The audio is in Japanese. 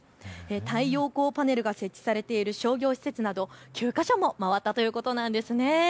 太陽光パネルが設置されている商業施設など９か所も回ったということなんです。